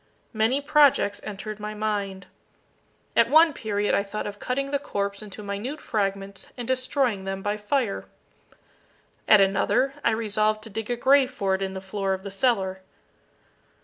Many projects entered my mind. At one period I thought of cutting the corpse into minute fragments and destroying them by fire. At another I resolved to dig a grave for it in the floor of the cellar.